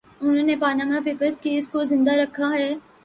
انھوں نے Panama papers case کو زندہ رکھا ہے۔